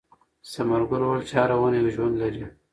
ثمر ګل وویل چې هره ونه یو ژوند لري.